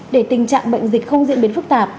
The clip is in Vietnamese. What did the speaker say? để tình trạng bệnh dịch không diễn biến phức tạp